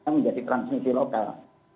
menjadi transmisi lokal